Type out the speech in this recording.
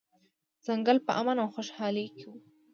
ځنګل په امن او خوشحالۍ کې و.